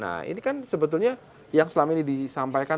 nah ini kan sebetulnya yang selama ini disampaikan